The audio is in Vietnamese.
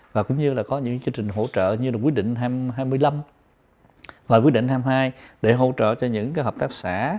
và cũng như là có những chương trình hỗ trợ như là quyết định hai mươi năm và quy định hai mươi hai để hỗ trợ cho những hợp tác xã